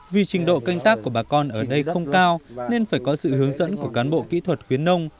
vì trình độ canh tác của bà con ở đây không cao nên phải có sự hướng dẫn của cán bộ kỹ thuật khuyến nông